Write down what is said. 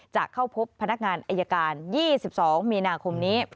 จะเข้าพบพนักงานอายการ๒๒มีนาคมนี้